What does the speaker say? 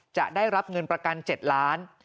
จะได้รับเงินประกัน๗ล้าน